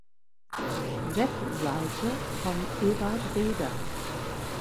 Webseite von Ewald Reder